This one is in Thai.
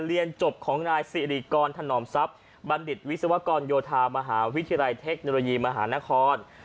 เรียนจบของนายสิริกรถนอมทรัพย์บัณฑิตวิศวกรโยธามหาวิทยาลัยเทคโนโลยีมหานคร